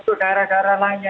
untuk daerah daerah lainnya